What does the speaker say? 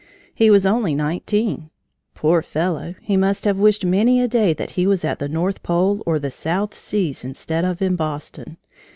He was only nineteen! Poor fellow, he must have wished many a day that he was at the North Pole or the South Seas instead of in Boston.